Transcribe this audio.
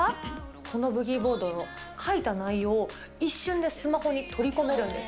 このブギーボード、書いた内容を一瞬でスマホに取り込めるんです。